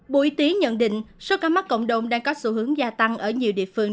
bụi tí nhận định số ca mắc cộng đồng đang có xu hướng gia tăng ở nhiều địa phương